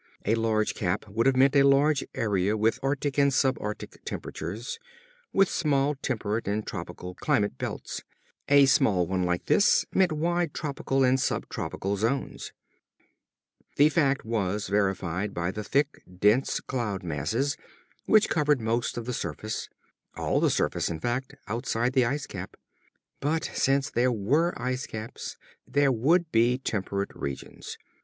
A large cap would have meant a large area with arctic and sub arctic temperatures, with small temperate and tropical climate belts. A small one like this meant wide tropical and sub tropical zones. The fact was verified by the thick, dense cloud masses which covered most of the surface, all the surface, in fact, outside the ice cap. But since there were ice caps there would be temperate regions.